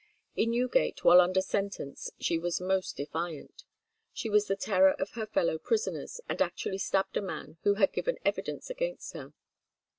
In Newgate while under sentence she was most defiant. She was the terror of her fellow prisoners, and actually stabbed a man who had given evidence against her.